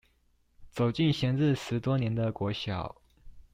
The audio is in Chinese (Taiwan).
走進閒置十多年的國小